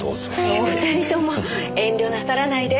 お二人とも遠慮なさらないで。